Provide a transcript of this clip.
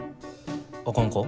あかんか？